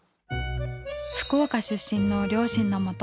福岡出身の両親のもと